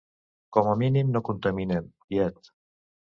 Com a mínim no contaminen, tiet.